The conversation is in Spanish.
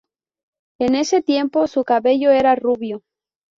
En ese tiempo, su cabello era rubio.